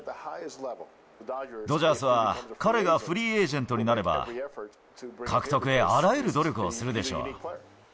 ドジャースは、彼がフリーエージェントになれば、獲得へ、あらゆる努力をするでしょう。